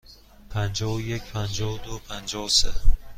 پنجاه و یک، پنجاه و دو، پنجاه و سه.